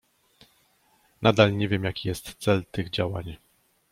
Nadal nie wiem jaki jest cel tych działań.